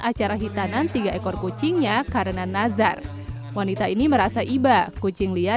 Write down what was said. acara hitanan tiga ekor kucingnya karena nazar wanita ini merasa iba kucing lia